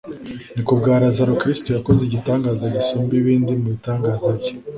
Ni kubwa Lazaro Kristo yakoze igitangaza gisumba ibindi mu bitangaza bye.